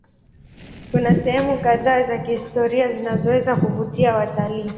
Kuna sehemu kadhaa za kihistoria zinazoweza kuvutia watalii.